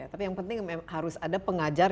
tapi yang penting harus ada pengajar